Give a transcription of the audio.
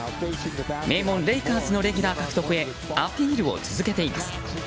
名門レイカーズのレギュラー獲得へアピールを続けています。